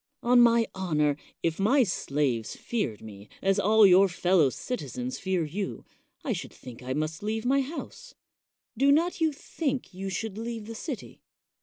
On my honor, if my slaves feared me as all your fel low citizens fear you, I should think I must leave my house. Do not you think you should leave the city?